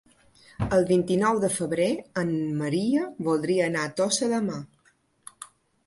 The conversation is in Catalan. El vint-i-nou de febrer en Maria voldria anar a Tossa de Mar.